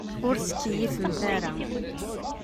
Ur ttkeyyifemt ara.